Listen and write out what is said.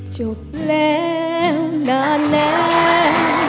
จบแล้วนานแล้ว